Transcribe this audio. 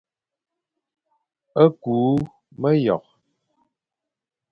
Küa meyokh,